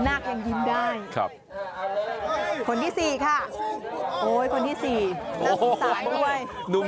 นาคยังยิ้มได้คนที่๔ค่ะโอ้ยคนที่๔น่าสงสารด้วย